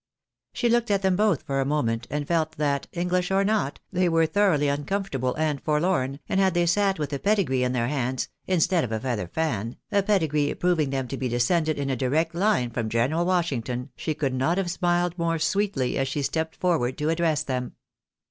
She looked at them both for a moment, and felt that, English or not, they were thoroughly uncomfortable and forlorn, and had they sat with a pedigree in their hands (instead of a feather fan) — a pedigree proving them to be descended in a direct hne from General Wash ington, she could not have smiled more sweetly, as she stepped for ward to address them.